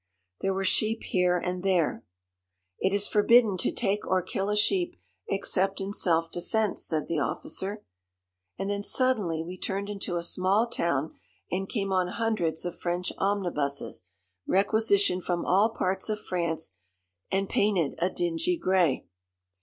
There were sheep here and there. "It is forbidden to take or kill a sheep except in self defence!" said the officer. And then suddenly we turned into a small town and came on hundreds of French omnibuses, requisitioned from all parts of France and painted a dingy grey.